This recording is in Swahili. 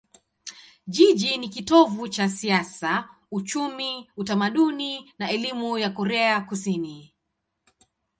Jiji ni kitovu cha siasa, uchumi, utamaduni na elimu ya Korea Kusini.